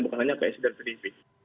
bukan hanya psi dan pdip